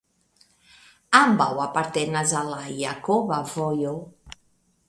Ambaŭ apartenas al la Jakoba Vojo.